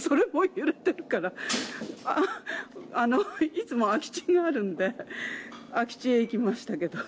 いつも空き地があるんで空き地へ行きましたけど。